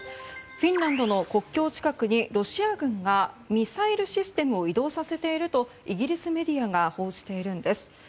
フィンランドの国境近くにロシア軍がミサイルシステムを移動させているとイギリスメディアが報じています。